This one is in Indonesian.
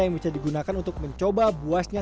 yang bisa digunakan untuk mencoba buasnya